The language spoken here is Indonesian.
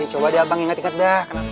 ini coba deh bang ingat ingat dah